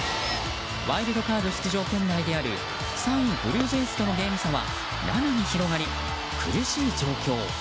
ワイルドカード出場圏内である３位ブルージェイズとのゲーム差は７に広がり苦しい状況。